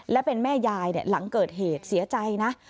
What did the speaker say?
และเป็นแม่ยายหลังเกิดเหตุเสียใจนะ